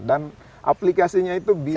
dan aplikasinya itu bisa